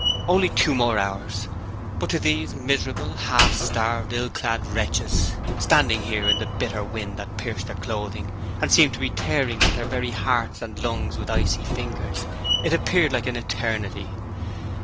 Only two more hours, but to these miserable, half starved, ill clad wretches, standing here in the bitter wind that pierced their clothing and seemed to be tearing at their very hearts and lungs with icy fingers, it appeared like an eternity.